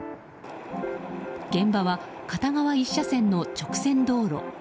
現場は片側１車線の直線道路。